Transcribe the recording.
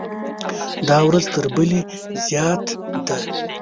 دا ورځ تر بلې زیات ده.